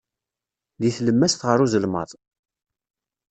Deg tlemmast ɣer uzelmaḍ.